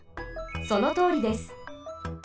そのとおりです。